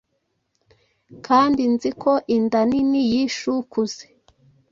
kandi nzi ko inda nini yishe ukuze.”